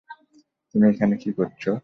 তুমি এখানে কি করছো?